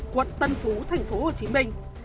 quận tân phú thành phố hồ chí minh